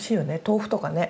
豆腐とかね。